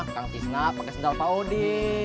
kang tisna pakai sendal pak odi